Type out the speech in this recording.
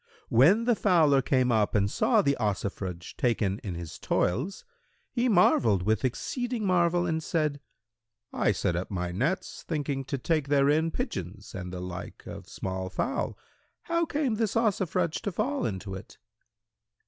When the fowler came up and saw the Ossifrage taken in his toils he marvelled with exceeding marvel and said, 'I set up my nets, thinking to take therein pigeons and the like of small fowl; how came this Ossifrage to fall into it?'